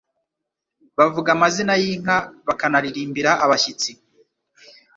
bavuga amazina y'inka bakanaririmbira abashyitsi